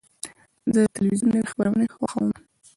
زه د تلویزیون نوی خپرونې خوښوم.